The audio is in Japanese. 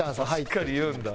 しっかり言うんだ。